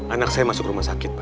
anak saya masuk rumah sakit pak